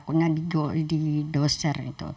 kalau tidak makanya diusir